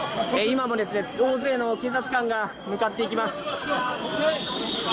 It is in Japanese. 今も大勢の警察官が向かっていきます。